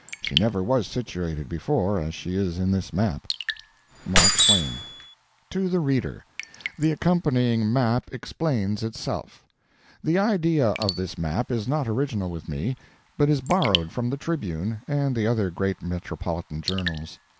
She never was situated before as she is in this map. MARK TWAIN. TO THE READER. The accompanying map explains itself. The idea of this map is not original with me, but is borrowed from the "Tribune" and the other great metropolitan journals.